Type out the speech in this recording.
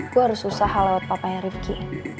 gue harus usaha lewat papanya rifki